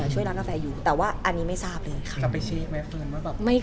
ตอนนี้ก็คืออย่างที่ทุกคนทราบเหมือนกันนะคะ